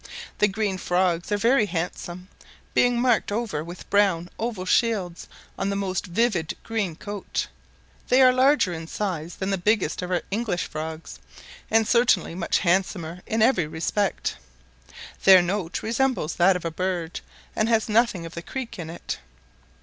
The green frogs are very handsome, being marked over with brown oval shields on the most vivid green coat: they are larger in size than the biggest of our English frogs, and certainly much handsomer in every respect. Their note resembles that of a bird, and has nothing of the creek in it.